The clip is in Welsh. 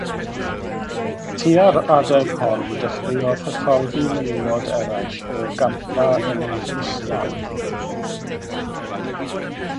Tua'r adeg hon dechreuodd hyfforddi menywod eraill o gampfa yn ei hislawr.